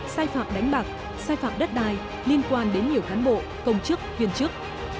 sai phạm đánh bạc sai phạm đất đai liên quan đến nhiều cán bộ công chức viên chức